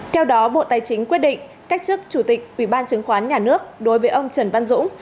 theo đó bộ tài chính quyết định cách chức chủ tịch ubnd đối với ông trần văn dũng